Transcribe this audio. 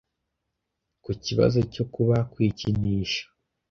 Ku kibazo cyo kuba kwikinisha